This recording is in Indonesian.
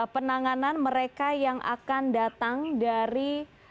penanganan mereka yang akan datang dari